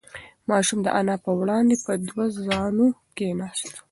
ماشوم د انا په وړاندې په دوه زانو کښېناست.